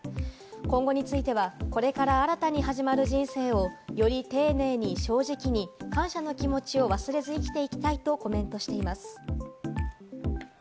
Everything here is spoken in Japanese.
今後については、これから新たに始まる人生を、より丁寧に、正直に感謝の気持ちを忘れず生きていきたいとコメントしています。